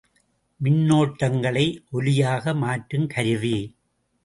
மின்னோட்டங்களை ஒலியாக மாற்றுங் கருவி.